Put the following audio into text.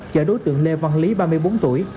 chở đối tượng lê văn lý ba mươi bốn tuổi